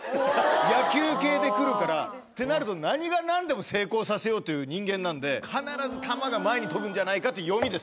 野球系で来るからってなると何が何でも成功させようという人間なんで必ず球が前に飛ぶんじゃないかって読みです。